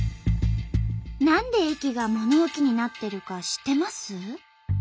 何で駅が物置になってるか知ってます？